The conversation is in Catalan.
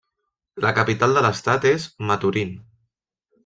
La capital de l'estat és Maturín.